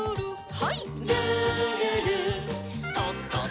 はい。